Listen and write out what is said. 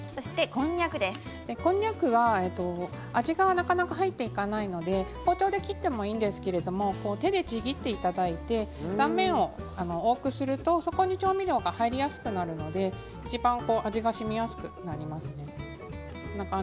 こんにゃくは味がなかなか入っていかないので包丁で切ってもいいんですが手でちぎっていただいて断面を多くするとそこに調味料が入りやすくなって味がしみやすくなります。